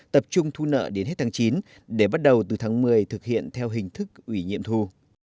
tập trung thu nợ đến hết tháng chín để bắt đầu từ tháng một mươi thực hiện theo hình thức ủy nhiệm thu